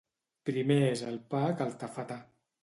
Primer és el pa que el tafetà.